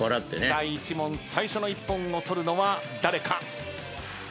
第１問最初の一本を取るのは誰か？